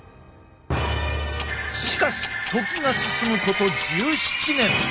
しかし時が進むこと１７年！